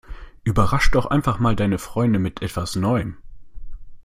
Überrasch' doch einfach mal deine Freunde mit etwas Neuem!